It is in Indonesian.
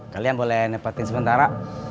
kalian boleh nepatin sementara